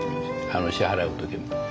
支払う時に。